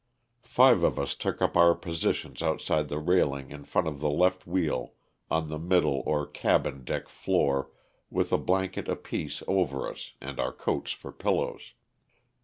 Five of us took up our posi tion outside the railing in front of the left wheel on the middle or cabin deck floor, with a blanket apiece over us and our coats for pillows.